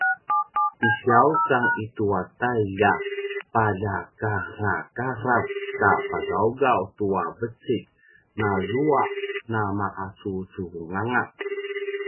ti siawcang i tu tailj a paljakarakarav sa pagawgav tua vecik nazua na’emacuvunganga